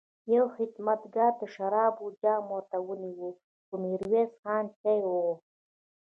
يوه خدمتګار د شرابو جام ورته ونيو، خو ميرويس خان چای وغوښت.